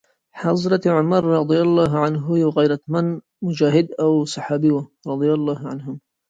زه خپل ویجدان ته هم ملامت یم.